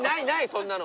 そんなの。